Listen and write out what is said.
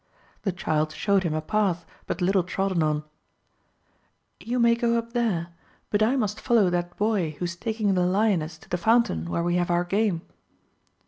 The child showed him a path but little trodden, — ^you may go up there, but I must follow that boy who is taking the lioness to the fountain where we have our game.